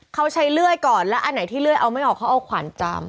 เขาใช้เลื่อยก่อนแล้วอันไหนที่เลื่อยเอาไม่ออกเขาเอาขวานจาม